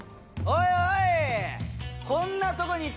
おい！